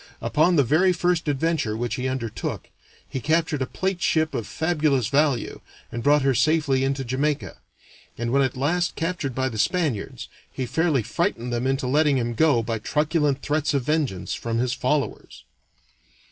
Upon the very first adventure which he undertook he captured a plate ship of fabulous value, and brought her safely into Jamaica; and when at last captured by the Spaniards, he fairly frightened them into letting him go by truculent threats of vengeance from his followers.